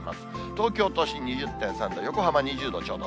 東京都心２０．３度、横浜２０度ちょうど。